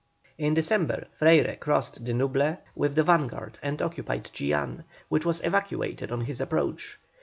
In December Freyre crossed the Nuble with the vanguard and occupied Chillán, which was evacuated on his approach.